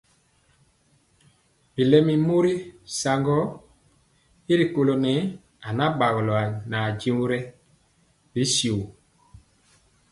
Bilɛmi mori saŋgɔɔ gɔ y rikolɔ nɛɛ anabagɔlɔ nʼajeŋg rɛ bɛ shio tya.